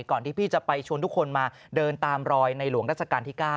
ที่พี่จะไปชวนทุกคนมาเดินตามรอยในหลวงราชการที่๙